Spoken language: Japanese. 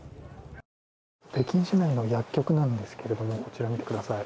北京市内の薬局なんですけどこちら、見てください。